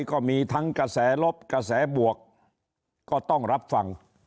ก็มีทั้งกระแสลบกระแสบวกก็ต้องรับฟัง